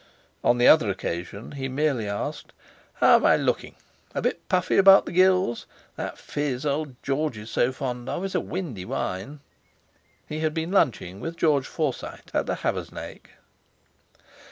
On the other occasion he merely asked: "How am I looking? A bit puffy about the gills? That fizz old George is so fond of is a windy wine!" He had been lunching with George Forsyte at the Haversnake.